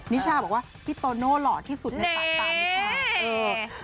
นิชาบอกว่าพี่โตโน่หล่อที่สุดในสายตานิชา